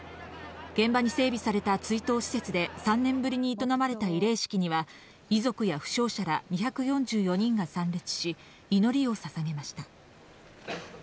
現場に整備された追悼施設で３年ぶりに営まれた慰霊式には、遺族や負傷者ら２４４人が参列し、祈りをささげました。